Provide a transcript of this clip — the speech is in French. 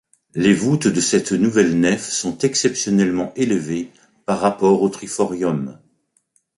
Les voûtes de cette nouvelle nef sont exceptionnellement élevées par rapport au triforium.